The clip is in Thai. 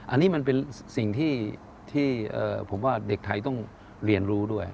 อันนี้มันเป็นสิ่งที่ผมว่าเด็กไทยต้องเรียนรู้ด้วย